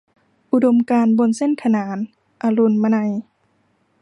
อุดมการณ์บนเส้นขนาน - อรุณมนัย